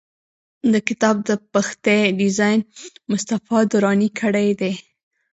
د کتاب د پښتۍ ډیزاین مصطفی دراني کړی دی.